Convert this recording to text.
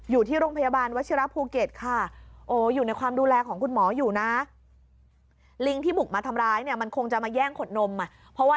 อยู่ที่โรงพยาบาลวัชิระภูเก็ตค่ะ